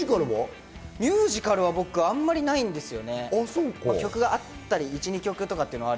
ミュージカルは僕、あんまりないんですよ。